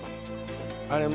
あれ